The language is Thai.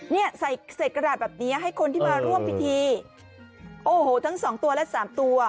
เนี่ยใส่เศษกระดาษแบบเนี้ยให้คนที่มาร่วมพิธีโอ้โหทั้งสองตัวและสามตัว